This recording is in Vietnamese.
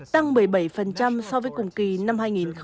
tăng bảy mươi bảy so với cùng kỳ năm hai nghìn hai mươi hai